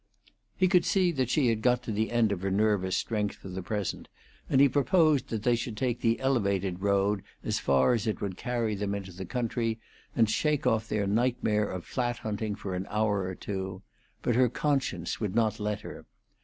He could see that she had got to the end of her nervous strength for the present, and he proposed that they should take the Elevated road as far as it would carry them into the country, and shake off their nightmare of flat hunting for an hour or two; but her conscience would not let her.